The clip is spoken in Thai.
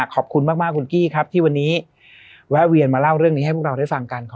ขอบคุณมากคุณกี้ครับที่วันนี้แวะเวียนมาเล่าเรื่องนี้ให้พวกเราได้ฟังกัน